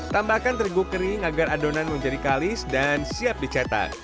tambahkan tergu kering agar adonan menjadi kalis dan siap dicetak